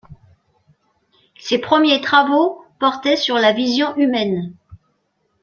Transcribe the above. Ses premiers travaux portaient sur la vision humaine.